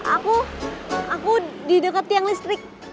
aku aku di dekat tiang listrik